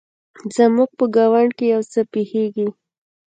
زموږ په ګاونډ کې يو څه پیښیږي